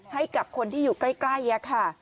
ให้กับคนที่อยู่ใกล้ค่ะ